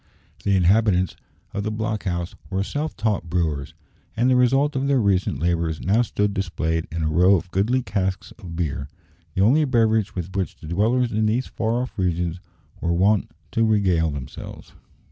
The inhabitants of the block house were self taught brewers, and the result of their recent labours now stood displayed in a row of goodly casks of beer the only beverage with which the dwellers in these far off regions were wont to regale themselves.